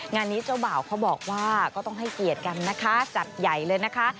งานนี้เจ้าบ่าวเขาบอกว่าก็ต้องให้เกียรติกันนะคะจัดใหญ่เลยนะคะ